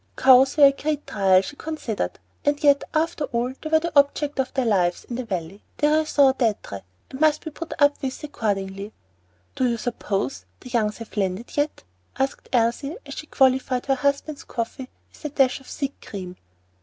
Cows were a great trial, she considered; and yet after all they were the object of their lives in the Valley, their raison d'être, and must be put up with accordingly. "Do you suppose the Youngs have landed yet?" asked Elsie as she qualified her husband's coffee with a dash of thick cream.